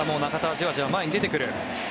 じわじわ前に出てくる。